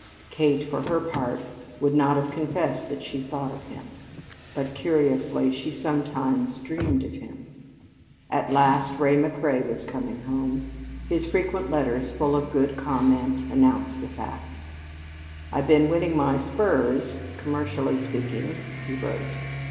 Kate, for her part, would not have confessed that she thought of him. But, curiously, she sometimes dreamed of him. At last Ray McCrea was coming home. His frequent letters, full of good comment, announced the fact. "I've been winning my spurs, commercially speaking," he wrote.